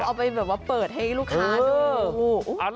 ออกไปเหมือนเปิดให้ลูกค้าดู